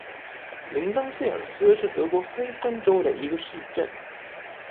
林登费尔斯是德国黑森州的一个市镇。